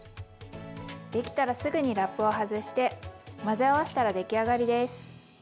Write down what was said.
できたらすぐにラップを外して混ぜ合わしたら出来上がりです。